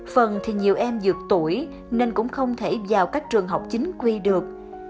phần thì nhiều em dược tuổi nên cũng không thể vào các trường học chính quy được